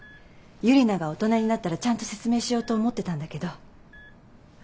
ユリナが大人になったらちゃんと説明しようと思ってたんだけど。